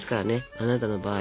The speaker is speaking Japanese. あなたの場合。